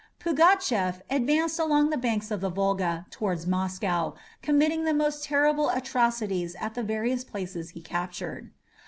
Pugatchef advanced along the banks of the Volga towards Moscow, committing the most terrible atrocities at the various places he captured.